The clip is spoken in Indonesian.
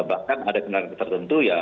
bahkan ada kenangan tertentu